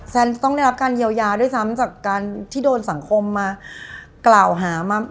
ต้องได้รับการเยียวยาด้วยซ้ำจากการที่โดนสังคมมากล่าวหามา